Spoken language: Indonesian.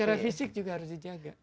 secara fisik juga harus dijaga